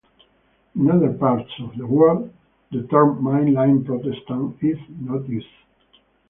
In other parts of the world, the term "mainline Protestant" is not used.